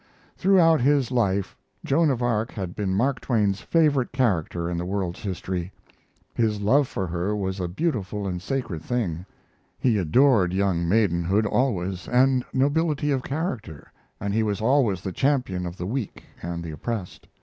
Throughout his life Joan of Arc had been Mark Twain's favorite character in the world's history. His love for her was a beautiful and a sacred thing. He adored young maidenhood always and nobility of character, and he was always the champion of the weak and the oppressed.